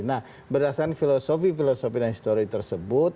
nah berdasarkan filosofi filosofi dan histori tersebut